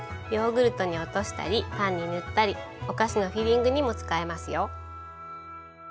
ヨーグルトに落としたりパンに塗ったりお菓子のフィリングにも使えますよ。